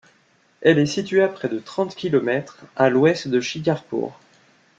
Elle est située à près de trente kilomètres à l'ouest de Shikarpur.